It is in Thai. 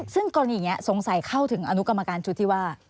ซึ่งกรณีอย่างนี้สงสัยเข้าถึงอนุกรรมการชุดที่ว่า